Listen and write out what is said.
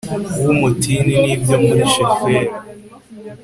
bw umutini ni byo muri shefela